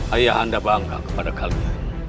ayah anda bangga kepada kalian